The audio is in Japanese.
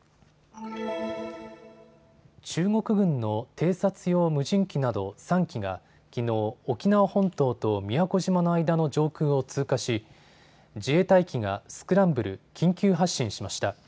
中国軍の偵察用無人機など３機がきのう沖縄本島と宮古島の間の上空を通過し自衛隊機がスクランブル・緊急発進しました。